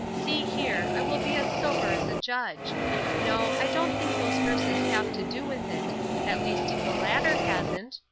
See here, I will be as sober as a judge. No, I don't think those verses have to do with it; at least the latter hasn't.